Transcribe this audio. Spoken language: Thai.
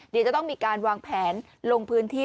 เดี๋ยวจะต้องมีการวางแผนลงพื้นที่